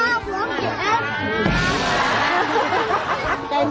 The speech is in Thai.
ค่อยเด็ก